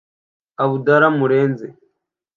Abdallah Murenzi